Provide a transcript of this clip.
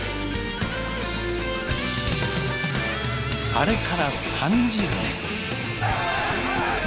あれから３０年。